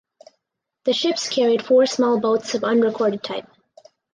The ships carried four small boats of unrecorded type.